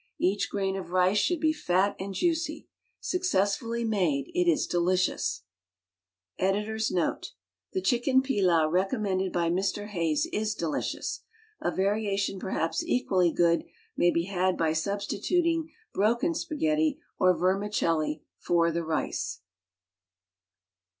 Each grain of rice should be fat and juicy. Successfully made it is delicious. Editor's Note: — The Chicken Pilau recormnended by Mr. Hays is delicious. A variation perhaps equally good, may be had by substituting broken spaghetti, or vermicelli for the rice.